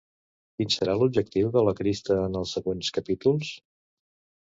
Quin serà l'objectiu de la Krista en els següents capítols?